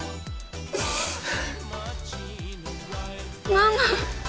ママ！